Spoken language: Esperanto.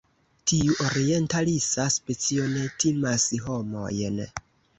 Tiu orientalisa specio ne timas homojn.